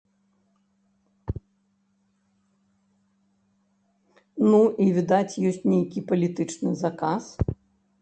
Ну, і, відаць, ёсць нейкі палітычны заказ.